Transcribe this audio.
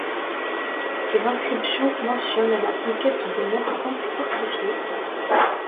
Ses inscriptions mentionnent la conquête de neuf temples fortifiés.